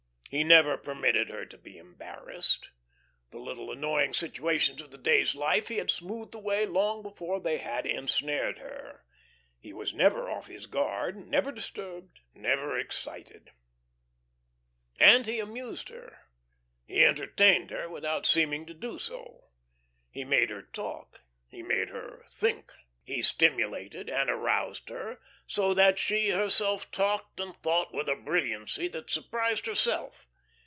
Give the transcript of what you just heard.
He never permitted her to be embarrassed; the little annoying situations of the day's life he had smoothed away long before they had ensnared her. He never was off his guard, never disturbed, never excited. And he amused her, he entertained her without seeming to do so. He made her talk; he made her think. He stimulated and aroused her, so that she herself talked and thought with a brilliancy that surprised herself.